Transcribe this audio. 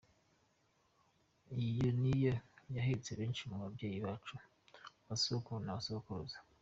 Iyo ni yo yahetse benshi mu babyeyi bacu, ba sogokuru na ba sogokuruza.